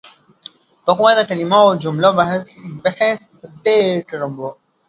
پخوا د کلمو او جملو بحث ډېر ګرم و.